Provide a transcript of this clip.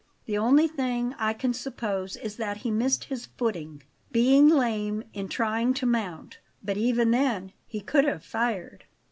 The only thing I can suppose is that he missed his footing, being lame, in trying to mount. But even then, he could have fired."